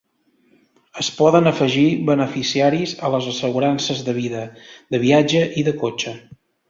Es poden afegir beneficiaris a les assegurances de vida, de viatge i de cotxe.